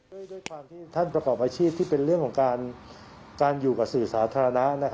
ด้วยความที่ท่านประกอบอาชีพที่เป็นเรื่องของการอยู่กับสื่อสาธารณะ